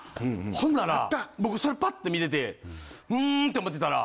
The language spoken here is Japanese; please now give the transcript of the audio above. ほんなら僕それパッて見ててんんって思ってたら。